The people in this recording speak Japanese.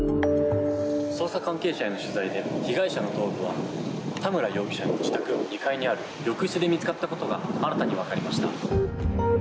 捜査関係者への取材で被害者の頭部は田村容疑者の自宅の２階にある浴室で見つかったことが新たにわかりました。